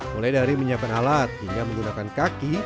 mulai dari menyiapkan alat hingga menggunakan kaki